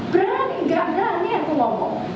berani gak berani aku ngomong